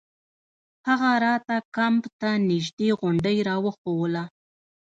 هغه راته کمپ ته نژدې غونډۍ راوښووله.